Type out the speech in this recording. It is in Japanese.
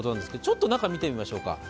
ちょっと中見てみましょうか。